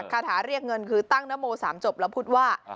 คาถาเรียกเงินคือตั้งนโม๓จบแล้วพูดว่า